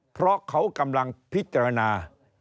เพราะเขากำลังพิจารณา